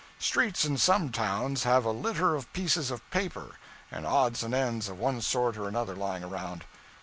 Streets in some towns have a litter of pieces of paper, and odds and ends of one sort or another lying around.